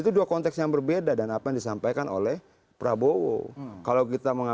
nanti kita akan soal ini